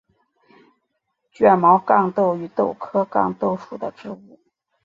卷毛豇豆为豆科豇豆属的植物。